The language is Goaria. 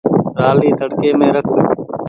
رآلي تڙڪي مين رک۔